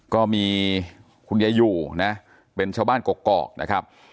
ก็มีคุณยายอยู่นะเป็นชาวบ้านกกอกนะครับ